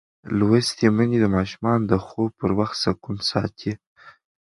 لوستې میندې د ماشومانو د خوب پر وخت سکون ساتي.